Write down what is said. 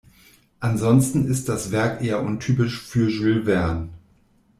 Ansonsten ist das Werk eher untypisch für Jules Verne.